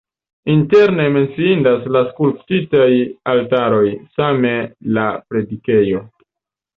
Interne menciindas la skulptitaj altaroj, same la predikejo.